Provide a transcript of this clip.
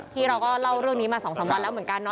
ที่เราก็เล่าเรื่องนี้มา๒๓วันแล้วเหมือนกัน